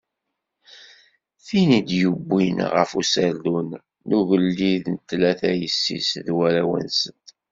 Tin i d-yuwin ɣef userdun n ugellid d tlata yessi-s d warraw-nsent.